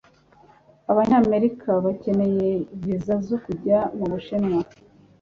Abanyamerika bakeneye viza zo kujya mu Bushinwa.